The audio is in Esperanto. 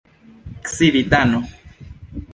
civitano